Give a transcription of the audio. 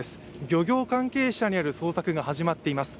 漁業関係者による捜索が始まっています。